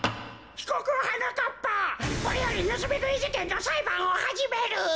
ひこくはなかっぱこれよりぬすみぐいじけんのさいばんをはじめる。